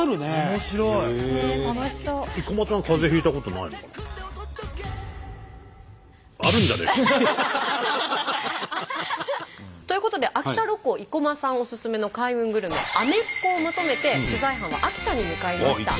面白い！ということで秋田ロコ生駒さんおすすめの開運グルメアメッコを求めて取材班は秋田に向かいました。